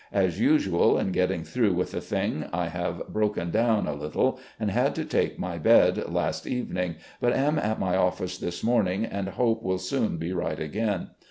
As usual in getting through with a thing, I have broken down a little and had to take my bed last evening, but am at my ofi&ce this morning and hope wiU soon be right again.